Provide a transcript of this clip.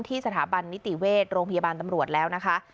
สถาบันนิติเวชโรงพยาบาลตำรวจแล้วนะคะ